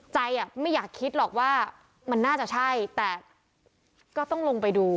อ่ะไม่อยากคิดหรอกว่ามันน่าจะใช่แต่ก็ต้องลงไปดู